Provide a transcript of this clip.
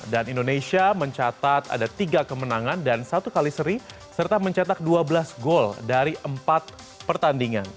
dan indonesia mencatat ada tiga kemenangan dan satu kali seri serta mencatat dua belas gol dari empat pertandingan